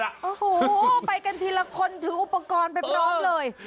โอ้โหไปกันทีละคนถืออุปกรณ์ไปพร้อมเลย